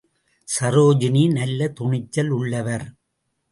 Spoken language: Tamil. சரோஜினி நல்ல துணிச்சல் உள்ளவர்.